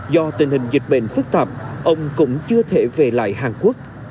do tình hình dịch bệnh phức tạp ông cũng chưa thể về lại hàn quốc